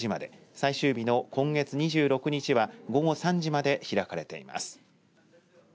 最終日の今月２６日は午後３時まで開かれています。